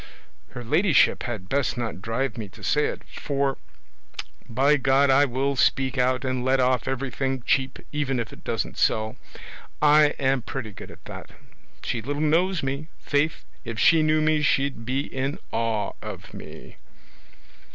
Her ladyship had best not drive me to say it, for by God I will speak out and let off everything cheap, even if it doesn't sell: I am pretty good at that! she little knows me; faith, if she knew me she'd be in awe of me."